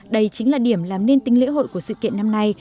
đây chính là điểm làm nên tính lễ hội của sự kiện năm nay